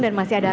dan masih ada